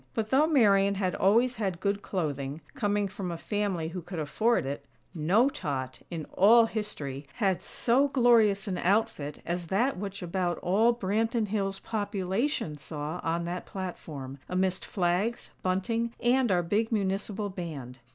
But though Marian had always had good clothing, coming from a family who could afford it, no tot, in all history, had so glorious an outfit as that which about all Branton Hills' population saw on that platform, amidst flags, bunting and our big Municipal Band.